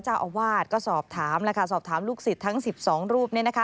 เจ้าอวาดก็สอบถามลูกศิษย์ทั้ง๑๒รูป